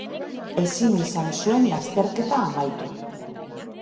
Ezin izan zuen lasterketa amaitu.